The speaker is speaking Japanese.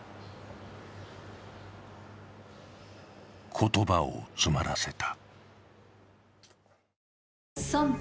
言葉を詰まらせた。